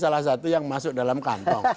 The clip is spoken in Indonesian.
salah satu yang masuk dalam kantong